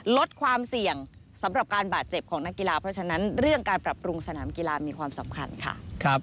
ลดความเสี่ยงสำหรับการบาดเจ็บของนักกีฬาเพราะฉะนั้นเรื่องการปรับปรุงสนามกีฬามีความสำคัญค่ะ